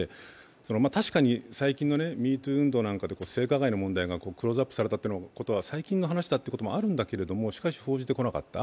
確かに最近のＭｅＴｏｏ運動などで、性加害の問題がクローズアップされたのは最近の話だというのはあるんだけどしかし報じてこなかった。